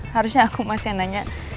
harusnya aku masih nanya